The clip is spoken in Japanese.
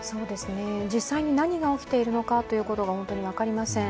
実際に何が起きているのかということが本当に分かりません。